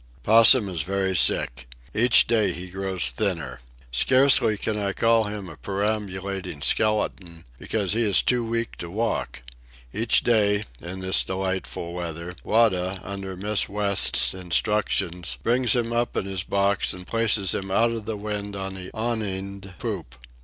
Possum is very sick. Each day he grows thinner. Scarcely can I call him a perambulating skeleton, because he is too weak to walk. Each day, in this delightful weather, Wada, under Miss West's instructions, brings him up in his box and places him out of the wind on the awninged poop.